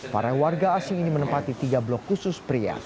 para warga asing ini menempati tiga blok khusus pria